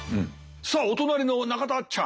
さあお隣の中田あっちゃん。